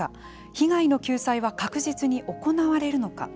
被害の救済は確実に行われるのか。